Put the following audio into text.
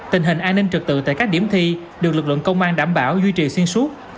tình hình an ninh trực tự tại các điểm thi được lực lượng công an đảm bảo duy trì xuyên suốt